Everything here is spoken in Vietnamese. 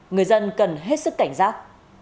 người dân cần hết sức cảnh giác